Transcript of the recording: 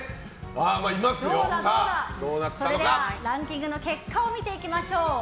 それではランキングの結果を見ていきましょう。